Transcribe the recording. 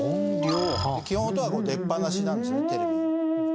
基本音は出っぱなしなんですねテルミン。